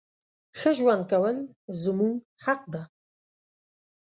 ښه ژوند کول زموږ حق ده.